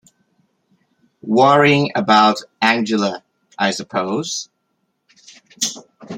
Worrying about Angela, I suppose?